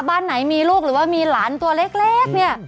บ้านไหนมีลูกหรือว่ามีหลานตัวเล็กเนี่ย